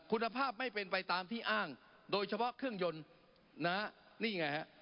คุณภาพไม่เป็นไปตามที่อ้างโดยเฉพาะเครื่องยนต์นะนี่ไงฮะ